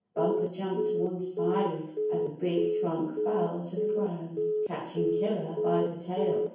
Bumper ■jumped to one side as the big trunk fell to the ground, catching Killer by the tail.